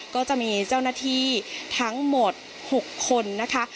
ก็จะมีเจ้าหน้าที่ทั้งหมด๖คนนะคะ